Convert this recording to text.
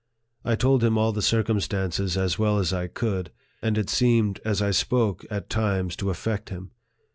I told him all the circumstances as well as 1 could, and it seemed, as I spoke, at times to affect him.